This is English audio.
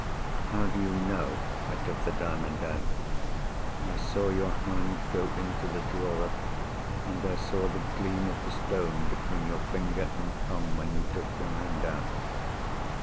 "How do you know I took the Diamond out?" "I saw your hand go into the drawer. And I saw the gleam of the stone between your finger and thumb, when you took your hand out."